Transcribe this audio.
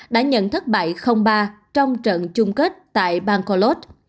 đã nhận thất bại ba trong trận chung kết tại bangkolot